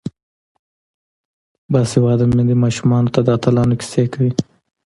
باسواده میندې ماشومانو ته د اتلانو کیسې کوي.